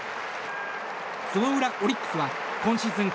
その裏、オリックスは今シーズン